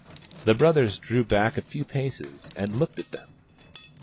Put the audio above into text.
The brothers drew back a few paces and looked at them.